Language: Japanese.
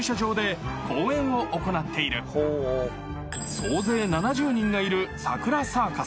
［総勢７０人がいるさくらサーカス］